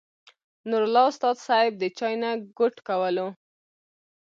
نور الله استاذ صېب د چاے نه ګوټ کولو